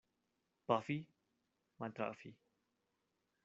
Pafi — maltrafi.